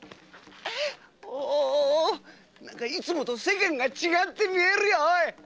おおいつもと世間が違って見えるよおい！